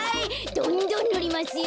どんどんぬりますよ。